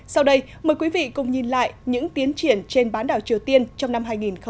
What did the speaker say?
sau đây mời quý vị cùng nhìn lại những tiến triển trên bán đảo triều tiên trong năm hai nghìn hai mươi